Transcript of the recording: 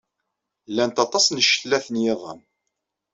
Llant aṭas n ccetlat n yiḍan.